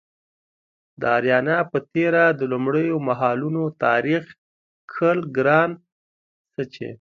د اریانا په تیره د لومړیو مهالونو تاریخ کښل ګران څه چې